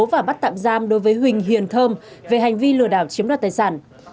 và bắt tạm giam đối với huỳnh hiền thơm về hành vi lừa đảo chiếm đoạt tài sản